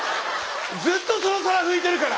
ずっとその皿拭いてるから！